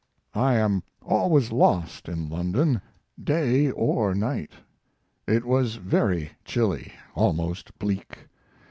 I am always lost in London, day or night. It was very chilly, almost bleak.